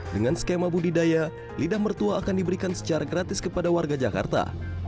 dengan skema budidaya lidah mertua akan diberikan secara gratis kepada warga jakarta